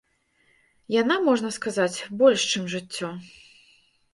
Яна, можна сказаць, больш, чым жыццё.